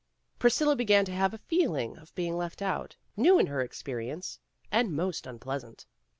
Priscilla began to have a feeling of being left out, new in her ex perience and most unpleasant.